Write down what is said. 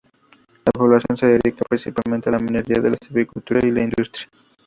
La población se dedica principalmente a la minería, la silvicultura y la industria.